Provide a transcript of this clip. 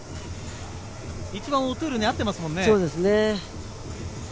一番オトゥールに合っていますもんね。